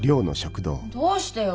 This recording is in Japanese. どうしてよ。